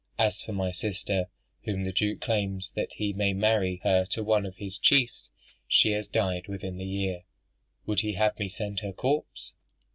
As for my sister, whom the Duke claims that he may marry her to one of his chiefs, she has died within the year; would he have me send her corpse?"